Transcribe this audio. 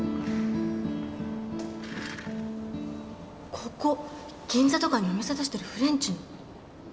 ここ銀座とかにお店出してるフレンチの。